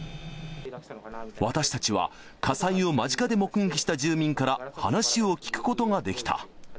私たちは火災を間近で目撃した住民から話を聞くことができた。